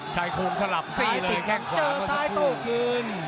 ใช้โค้งสลับซี่เลยกับขวาเจอซ้ายตู้ขึ้น